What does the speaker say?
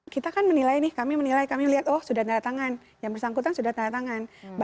kita kan menilai nih kami menilai kami lihat oh sudah tanda tangan yang bersangkutan sudah tanda tangan